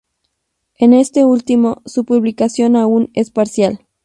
En este último, su publicación aún es parcial.